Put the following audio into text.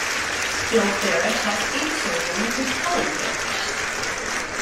Bill Farish has eight children with Kelley Farish.